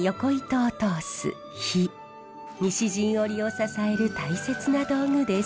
西陣織を支える大切な道具です。